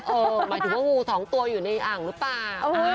หมายถึงว่างูสองตัวอยู่ในอ่างหรือเปล่า